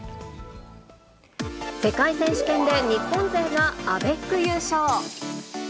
世界選手権で日本勢がアベック優勝。